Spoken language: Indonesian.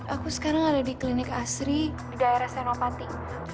aku sekarang ada di klinik asri di daerah senopati